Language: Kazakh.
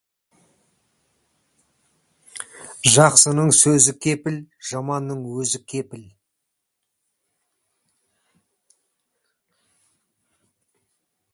Жақсының сөзі кепіл, жаманның өзі кепіл.